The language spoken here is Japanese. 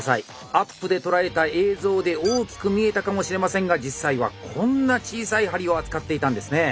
アップで捉えた映像で大きく見えたかもしれませんが実際はこんな小さい針を扱っていたんですね。